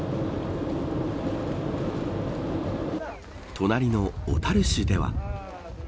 隣の小樽市では。